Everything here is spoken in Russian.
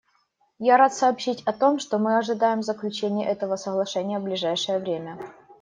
Я рад сообщить о том, что мы ожидаем заключения этого соглашения в ближайшее время.